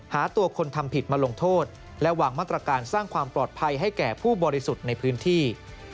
หาตัวคนทำผิดมาลงโทษและวางมาตรการสร้างความปลอดภัยให้แก่ผู้บริสุทธิ์ในพื้นที่